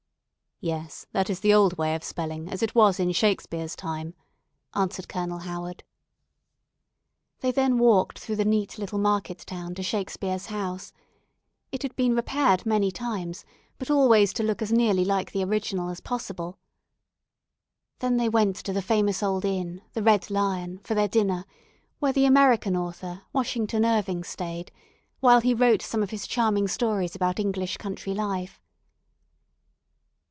"Yes, that is the old way of spelling, as it was in Shakespeare's time," answered Colonel Howard. They then walked through the neat little market town to Shakespeare's house. It had been repaired many times, but always to look as nearly like the original as possible. Then they went to the famous old inn, the Red Lion, for their dinner, where the American author, Washington Irving, stayed, while he wrote some of his charming stories about English country life.